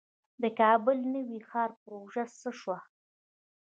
د کابل نوی ښار پروژه څه شوه؟